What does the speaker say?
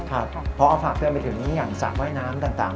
เพราะเอาฝากเตือนไปถึงอย่างสระว่ายน้ำต่าง